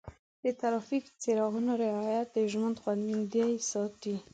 د ټرافیک څراغونو رعایت د ژوند خوندي ساتي.